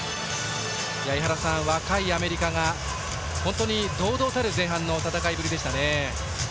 井原さん、若いアメリカが本当に堂々たる前半の戦いぶりでしたね。